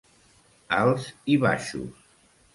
Alts i baixos.